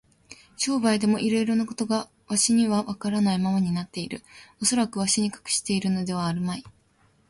商売でもいろいろなことがわしにはわからないままになっている。おそらくわしに隠してあるのではあるまい。